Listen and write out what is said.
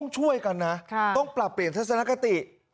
ช่วยกันนะต้องปรับเปลี่ยนทัศนคติ